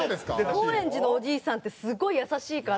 高円寺のおじいさんってすごい優しいから。